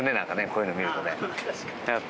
こういうのを見るとね。